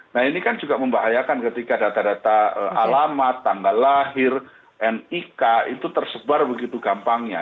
nah ini kan juga membahayakan ketika data data alamat tanggal lahir nik itu tersebar begitu gampangnya